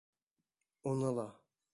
Уны ла...